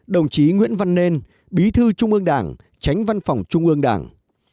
một mươi chín đồng chí nguyễn văn nên bí thư trung ương đảng tránh văn phòng trung ương đảng